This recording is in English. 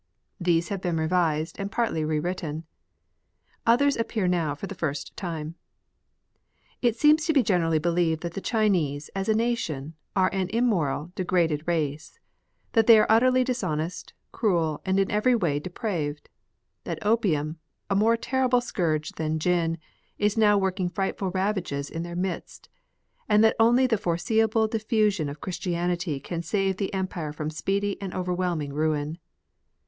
These have been revised and partly re written ; others appear now for the first time. It seems to be generally believed that the Chinese, as a nation, are an immoral, degraded race ; that they are utterly dishonest, cruel, and in every way de praved ; that opium, a more terrible scourge than gin, is now working frightful ravages in their midst ; and that only the forcible difi'usion of Christianity can save the Empire from speedy and overwhelming ruin.